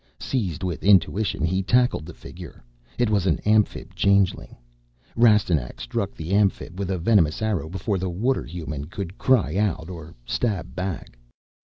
Seized with intuition, he tackled the figure. It was an Amphib changeling. Rastignac struck the Amphib with a venomous arrow before the Water human could cry out or stab back.